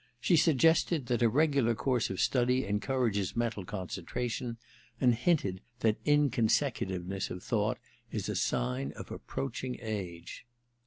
She suggested that a regular course of study encourages mental concentration, and hinted that inconsecutiveness of thought is a sign of approaching age.